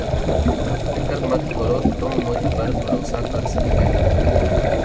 فکر مت کرو تم مجھ پر بھروسہ کر سکتے ہو